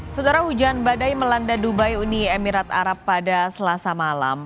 setelah hujan badai melanda dubai uni emirat arab pada selasa malam